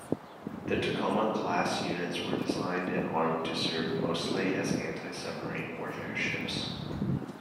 The "Tacoma"-class units were designed and armed to serve mostly as anti-submarine warfare ships.